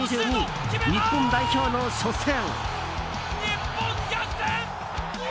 日本代表の初戦。